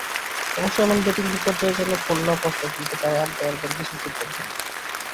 অবশ্য এমন ব্যাটিং বিপর্যয়ের জন্য খুলনা প্রশ্ন তুলতে পারে আম্পায়ারদের কিছু সিদ্ধান্ত নিয়েও।